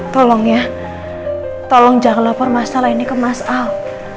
tolong ya tolong jangan lapor masalah ini ke mas al